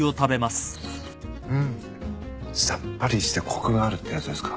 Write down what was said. うん。さっぱりしてコクがあるっていうやつですか。